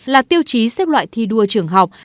là tiêu chí xếp loại thi đua trường học